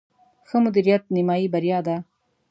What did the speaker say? ښه مدیریت، نیمایي بریا ده